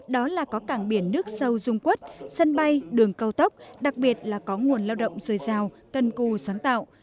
đó là có cảng biển nước sâu dung quốc sân bay đường câu tốc đặc biệt là có nguồn lao động rời rào cân cù sáng tạo